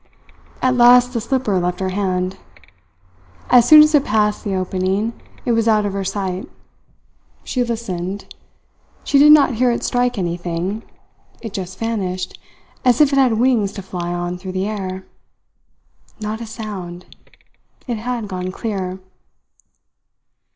At last the slipper left her hand. As soon as it passed the opening, it was out of her sight. She listened. She did not hear it strike anything; it just vanished, as if it had wings to fly on through the air. Not a sound! It had gone clear.